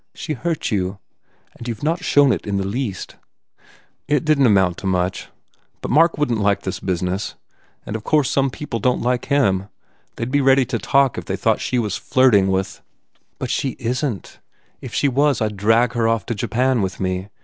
She hurt you. And you ve not shown it in the least." "It didn t amount to much. But, Mark wouldn t like this business. And of course some 209 THE FAIR REWARDS people don t like him. They d be ready to talk if they thought she was flirting with " "But she isn t! If she was I d drag her off to Japan with me.